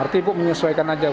arti ibu menyesuaikan aja ya